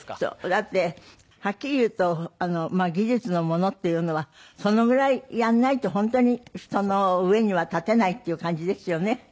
だってはっきり言うと技術のものっていうのはそのぐらいやらないと本当に人の上には立てないっていう感じですよね。